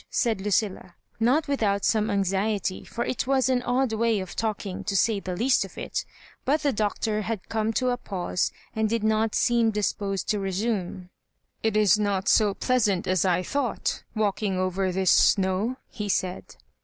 said Lucilla, not without some anxiety ; for it was an odd way of talking, to say the least of it; but the Doctor had come to a pause, and did not seem disposed to resume. "It is not so pleasant as I thought walking 10 over this snow," he said.